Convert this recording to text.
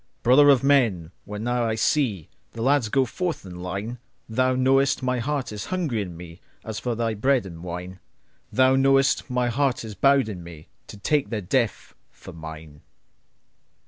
Brother of men, when now I seeThe lads go forth in line, Thou knowest my heart is hungry in meAs for thy bread and wine; Thou knowest my heart is bowed in meTo take their death for mine.